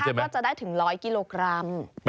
แต่ข้าก็จะได้ถึง๑๐๐กิโลกรัม